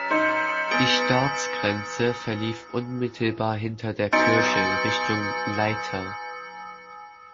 Die Staatsgrenze verlief unmittelbar hinter der Kirche in Richtung Leitha.